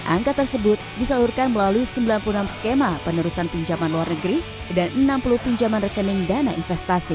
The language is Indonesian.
angka tersebut disalurkan melalui sembilan puluh enam skema penerusan pinjaman luar negeri dan enam puluh pinjaman rekening dana investasi